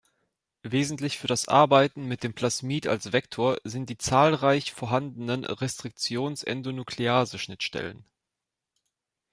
Wesentlich für das Arbeiten mit dem Plasmid als Vektor sind die zahlreich vorhandenen Restriktionsendonuclease-Schnittstellen.